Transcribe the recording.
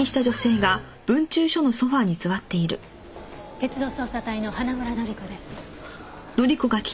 鉄道捜査隊の花村乃里子です。